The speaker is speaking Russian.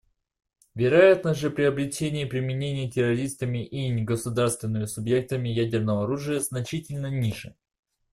Вероятность же приобретения и применения террористами и негосударственными субъектами ядерного оружия значительно ниже.